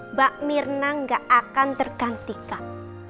mbak mirna gak akan tergantikan